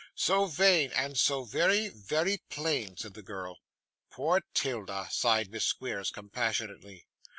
'So vain, and so very very plain,' said the girl. 'Poor 'Tilda!' sighed Miss Squeers, compassionately.